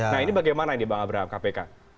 nah ini bagaimana ini bang abraham kpk